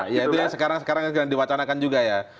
ya itu yang sekarang sekarang diwacanakan juga ya